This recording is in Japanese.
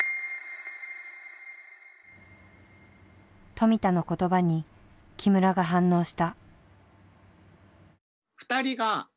富田の言葉に木村が反応した。